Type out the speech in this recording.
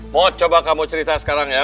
mau coba kamu cerita sekarang ya